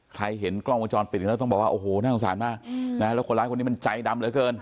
เห็นกล้องวงจรปิดแล้วต้องบอกว่าโอ้โหน่าสงสารมากแล้วคนร้ายคนนี้มันใจดำเหลือเกิน